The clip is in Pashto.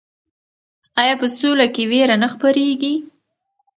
آیا په سوله کې ویره نه خپریږي؟